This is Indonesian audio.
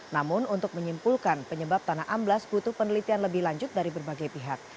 namun untuk menyimpulkan penyebab tanah amblas butuh penelitian lebih lanjut dari berbagai pihak